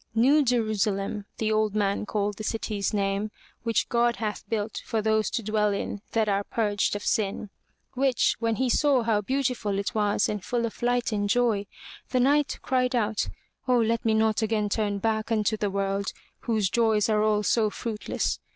New Jerusalem, the old man called the city's name, which God hath built for those to dwell in that are purged of sin. Which, when he saw how beautiful it was and full of light and joy, the Knight cried out, '*0 let me not again turn back unto the world, whose joys are all so fruitless.